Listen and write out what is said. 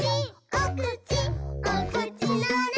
おくちおくちのなかに」